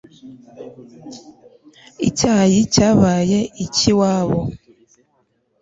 Icyayi cyabaye iki iwabo